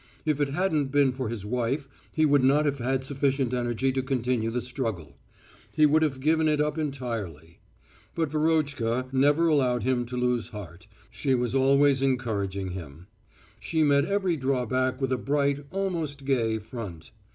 If it hadn't been for his wife he would not have had sufficient energy to continue the struggle; he would have given it up entirely. But Verotchka never allowed him to lose heart, she was always encouraging him ... she met every drawback with a bright, almost gay, front.